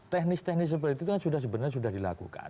teknis teknis seperti itu kan sebenarnya sudah dilakukan